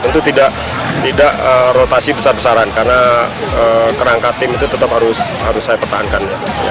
tentu tidak rotasi besar besaran karena kerangka tim itu tetap harus saya pertahankan